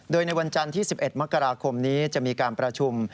โดยในวันจันทร์ที่๑๑มกราคมนี้จะมีการประชุม